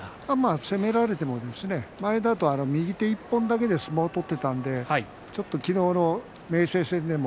攻められても前だと右手１本だけで相撲を取っていたので昨日の明生戦でも